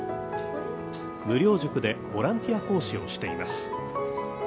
無料塾でボランティア講師をしています。